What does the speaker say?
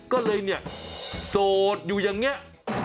ก็เลยเนี่ยโสดอยู่อย่างนี้